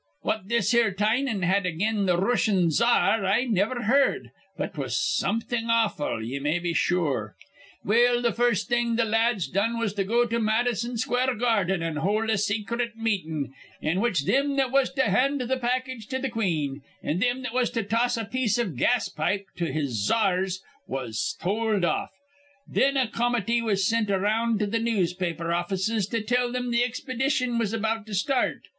What this here Tynan had again th' Rooshian cza ar I niver heerd. But 'twas something awful, ye may be sure. "Well, th' first thing th' la ads done was to go to Madison Square Garden an' hold a secret meetin', in which thim that was to hand th' package to th' queen and thim that was to toss a piece iv gas pipe to his cza ars was told off. Thin a comity was sint around to th' newspaper offices to tell thim th' expedition was about to start.